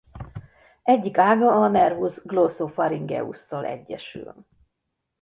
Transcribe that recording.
Egyik ága a nervus glossopharyngeus-szal egyesül.